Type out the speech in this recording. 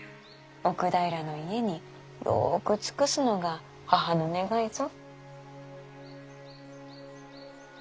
奥平の家によく尽くすのが母の願いぞ。